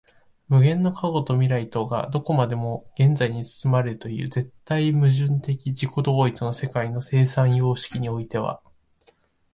無限の過去と未来とがどこまでも現在に包まれるという絶対矛盾的自己同一の世界の生産様式においては、